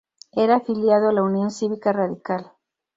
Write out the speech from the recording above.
Era afiliado a la Unión Cívica Radical.